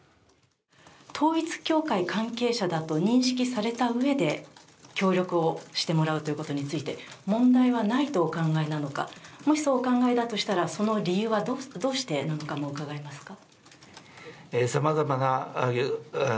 統一教会関係者だと認識されたうえで協力をしてもらうということについて、問題はないとお考えなのか、もしそうお考えだとしたら、その理由はどうしてなのかもお答えいただけますか。